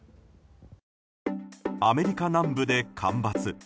アメリカ南部で干ばつ。